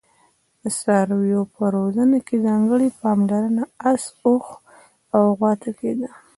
د څارویو په روزنه کې ځانګړي پاملرنه اس، اوښ او غوا ته کېده.